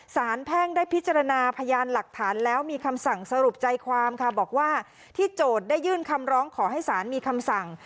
แพ่งได้พิจารณาพยานหลักฐานแล้วมีคำสั่งสรุปใจความค่ะบอกว่าที่โจทย์ได้ยื่นคำร้องขอให้ศาลมีคำสั่ง